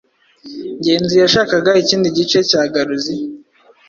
Ngenzi yashakaga ikindi gice cya garuzi.